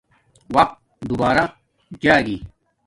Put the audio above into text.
وقت دوبارہ جاگی